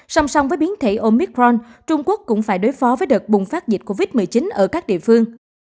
song song với biến thể omicron trung quốc cũng phải đối phó với đợt bùng phát dịch covid một mươi chín ở các địa phương